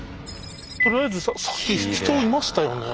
とりあえずさっき人いましたよね。